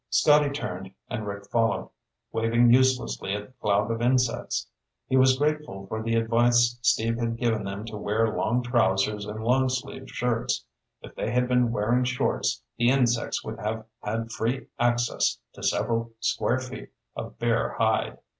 Scotty turned and Rick followed, waving uselessly at the cloud of insects. He was grateful for the advice Steve had given them to wear long trousers and long sleeved shirts. If they had been wearing shorts, the insects would have had free access to several square feet of bare hide.